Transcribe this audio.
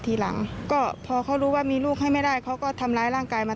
ทีหลังก็พอเขารู้ว่ามีลูกให้ไม่ได้เขาก็ทำร้ายร่างกายมา